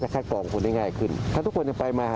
ที่คนจะล็อกดาวน์ตัวเองมันเป็นเรื่องที่ยาก